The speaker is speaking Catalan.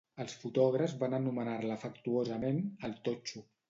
Els fotògrafs van anomenar-la afectuosament "el totxo".